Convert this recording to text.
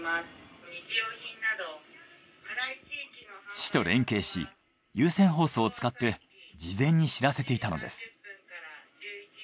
市と連携し有線放送を使って事前に知らせていたのです。